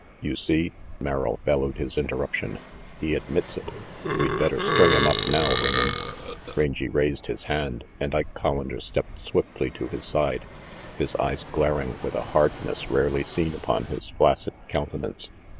"You see," Merrill bellowed his interruption, "he admits it. We'd better string him up now, Ring'em." Rangy raised his hand, and Ike Collander stepped swiftly to his side, his eyes glaring with a hardness rarely seen upon his flaccid countenance.